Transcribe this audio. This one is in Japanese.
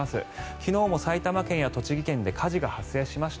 昨日も埼玉県や栃木県で火事が発生しました。